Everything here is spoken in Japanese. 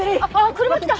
車来た！